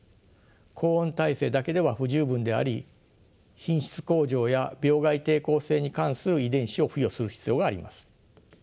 高温耐性だけでは不十分であり品質向上や病害抵抗性に関する遺伝子を付与する必要があります。